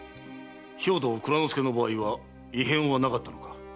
兵藤内蔵介の場合は異変はなかったのか？